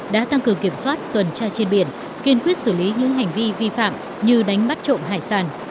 đã tăng cường kiểm soát tuần tra trên biển kiên quyết xử lý những hành vi vi phạm như đánh bắt trộm hải sản